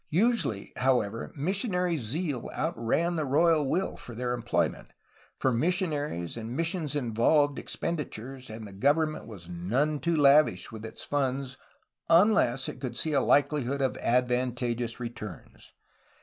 Usually, however, missionary zeal outran the royal will for their employment, for missionaries and mis sions involved expenditures, and the government was none too lavish with its funds unless it could see a. likelihood of advantageous returns.